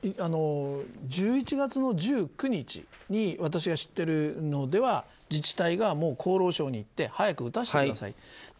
１１月１９日に私が知っているのでは自治体が厚労省に言って早く打たせてくださいと。